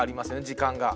時間が。